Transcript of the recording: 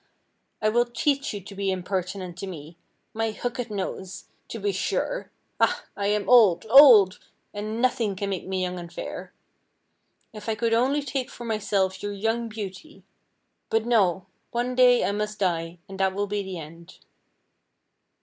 I will teach you to be impertinent to me! My hooked nose! to be sure. Ah! I am old! old! and nothing can make me young and fair. If I could only take for myself your young beauty! But, no! one day I must die, and that will be the end."